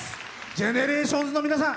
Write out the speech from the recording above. ＧＥＮＥＲＡＴＩＯＮＳの皆さん